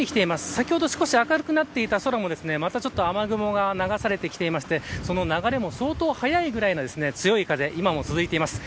先ほど少し明るくなっていた空もまた雨雲が流されてきてその流れも相当速いくらい強い風、今も続いています。